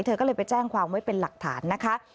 เธอก็เลยไปแจ้งความไว้เป็นหลักฐานนะคะ